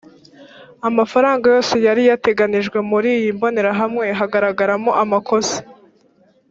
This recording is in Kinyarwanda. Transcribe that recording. amafaranga yose yariyateganijwe muri iyi mbonerahamwe hagaragaramo amakosa